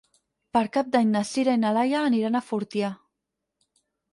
Per Cap d'Any na Sira i na Laia aniran a Fortià.